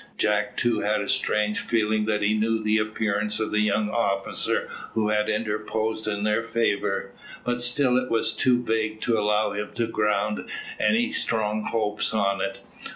Jack too had a strange feeling that he knew the appearance of the young officer who had interposed in their favour, but still it was too vague to allow him to ground any strong hopes on it.